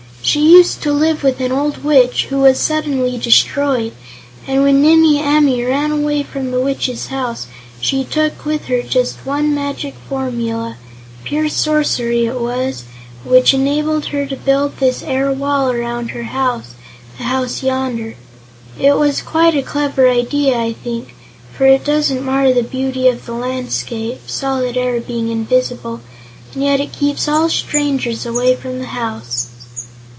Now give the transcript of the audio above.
"She used to live with an old Witch, who was suddenly destroyed, and when Nimmie Amee ran away from the Witch's house, she took with her just one magic formula pure sorcery it was which enabled her to build this air wall around her house the house yonder. It was quite a clever idea, I think, for it doesn't mar the beauty of the landscape, solid air being invisible, and yet it keeps all strangers away from the house."